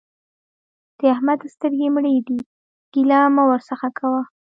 د احمد سترګې مړې دي؛ ګيله مه ورڅخه کوه.